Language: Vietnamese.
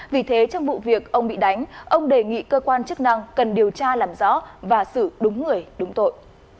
vì thế trong vụ việc ông bị đánh ông đề nghị cơ quan chức năng cần điều tra làm rõ và xử đúng người đúng tội